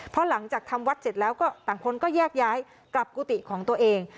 พอหลังจากทำวัดเสร็จแล้วก็ต่างคนก็แยกย้ายกลับกุฏิของตัวเอง